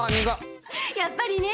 やっぱりね。